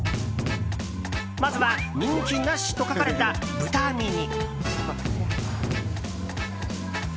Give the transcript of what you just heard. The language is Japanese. まずは、人気なしと書かれた豚ミミ。